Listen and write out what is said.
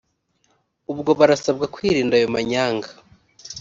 ubwo barasabwa kwirinda ayo manyanga